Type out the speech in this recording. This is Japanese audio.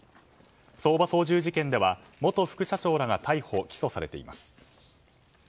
相場操縦事件では元副社長らが逮捕・起訴されています。